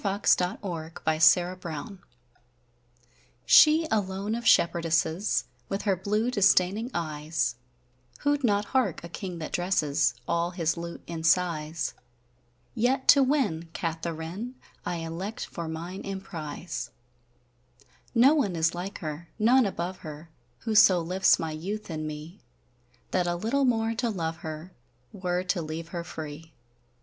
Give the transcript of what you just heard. A Seventeenth Century Song SHE alone of Shepherdesses With her blue disdayning eyes, Wo'd not hark a Kyng that dresses All his lute in sighes: Yet to winne Katheryn, I elect for mine Emprise. None is like her, none above her, Who so lifts my youth in me, That a littel more to love her Were to leave her free!